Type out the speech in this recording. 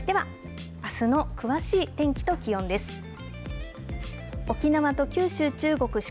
では、あすの詳しい天気と気温です。